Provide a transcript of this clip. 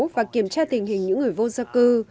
và kiểm tra tình hình những người vô gia cư